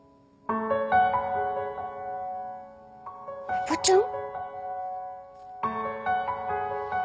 おばちゃん？